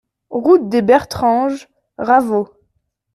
Route des Bertranges, Raveau